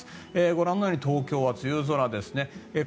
ご覧のように東京は梅雨空です。